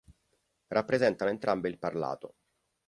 Rappresentano entrambe il parlato.